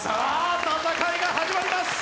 戦いが始まります！